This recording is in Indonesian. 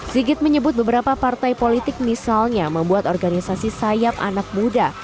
sigit menyebut beberapa partai politik misalnya membuat organisasi sayap anak muda